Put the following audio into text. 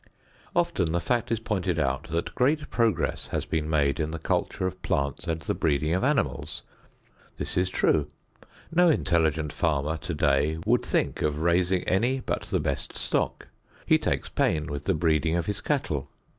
Often the fact is pointed out that great progress has been made in the culture of plants and the breeding of animals. This is true. No intelligent farmer to day would think of raising any but the best stock. He takes pains with the breeding of his cattle.